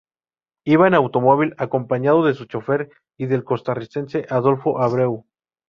Iba en automóvil, acompañado de su chofer y del costarricense Adolfo Abreu.